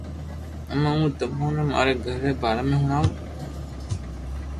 ھمو ھون تموني ماري گھر ري باري ۾ ھڻاوُ